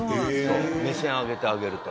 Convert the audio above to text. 目線上げてあげると。